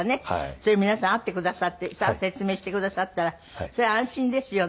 それを皆さん会ってくださって説明してくださったらそれは安心ですよね。